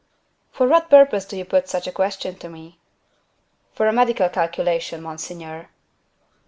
"For what purpose do you put such a question to me?" "For a medical calculation, monseigneur."